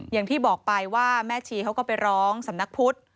อย่างที่บอกไปว่าแม่ชีเขาก็ไปร้องสำนักพุทธ